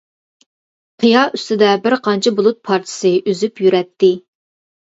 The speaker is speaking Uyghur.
قىيا ئۈستىدە بىر نەچچە بۇلۇت پارچىسى ئۈزۈپ يۈرەتتى.